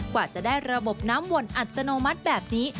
กว่าจะได้ระบบน้ำวนอัตโนมัติแบบนี้